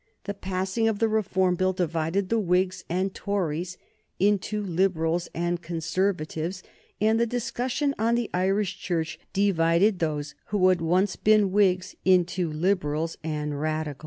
The passing of the Reform Bill divided the Whigs and Tories into Liberals and Conservatives, and the discussions on the Irish Church divided those who had once been Whigs into Liberals and Radicals.